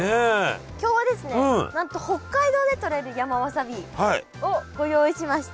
今日はですねなんと北海道でとれる山わさびをご用意しました。